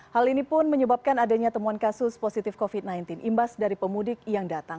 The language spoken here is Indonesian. hal ini pun menyebabkan adanya temuan kasus positif covid sembilan belas imbas dari pemudik yang datang